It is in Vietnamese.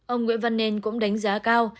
ông nguyễn văn nền cũng đánh giá cao